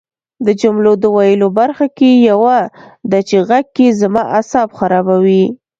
د جملو د ویلو برخه کې یوه ده چې غږ کې زما اعصاب خرابوي